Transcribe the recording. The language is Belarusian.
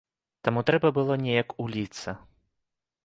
Таму трэба было неяк уліцца.